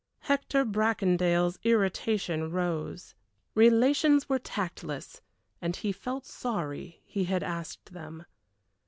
Hector Bracondale's irritation rose. Relations were tactless, and he felt sorry he had asked them.